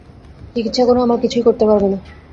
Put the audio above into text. চিকিৎসা করে আমার কিছুই করতে পারবে না।